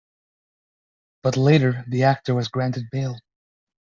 But later the actor was granted bail.